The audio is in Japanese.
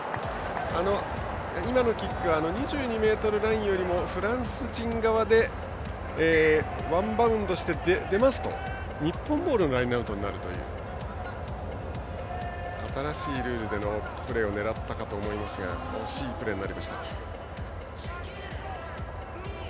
今のキックは２２ｍラインよりもフランス陣側でワンバウンドして出ますと日本ボールのラインアウトになるという新しいルールでのプレーを狙ったかと思いますが惜しいプレーになりました。